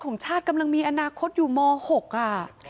ของชาติกำลังมีอนาคตอยู่ม๖ค่ะ